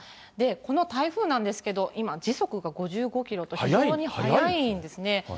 この台風なんですけど、今、時速が５５キロと非常に速いんですね。